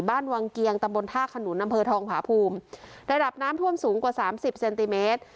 วังเกียงตำบลท่าขนุนอำเภอทองผาภูมิระดับน้ำท่วมสูงกว่าสามสิบเซนติเมตร